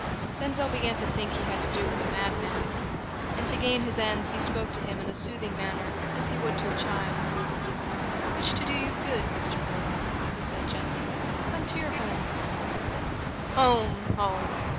Denzil began to think he had to do with a madman, and to gain his ends he spoke to him in a soothing manner, as he would to a child: "I wish to do you good, Mr. Berwin," said he gently. "Come to your home." "Home! home!